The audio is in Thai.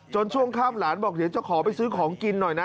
ช่วงข้ามหลานบอกเดี๋ยวจะขอไปซื้อของกินหน่อยนะ